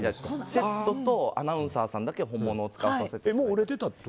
セットとアナウンサーさんだけ本物を使わせてもらって。